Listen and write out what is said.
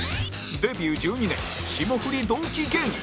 デビュー１２年霜降り同期芸人！